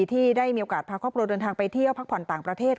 ที่ได้มีโอกาสพาครอบครัวเดินทางไปเที่ยวพักผ่อนต่างประเทศ